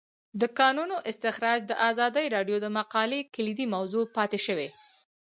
د کانونو استخراج د ازادي راډیو د مقالو کلیدي موضوع پاتې شوی.